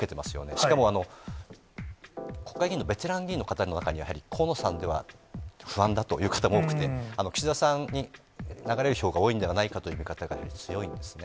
しかも国会議員のベテラン議員の方の中には、やはり河野さんでは不安だという方も多くて、岸田さんに流れる票が多いのではないかという見方が強いんですね。